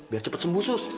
biar cepat sembuh sus